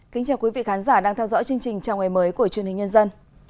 kính chào quý vị khán giả đang theo dõi chương trình chào ngày mới của truyền hình nhân dân